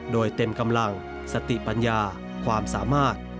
โดยเต็มกำลังสติปัญญาความสามารถ